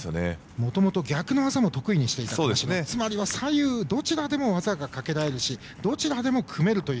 もともと逆の技も得意にしていましたしつまりは、左右どちらでも技がかけられるしどちらでも組めるという。